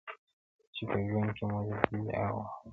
چی په ژوند کی مو لیدلي دي اورونه!!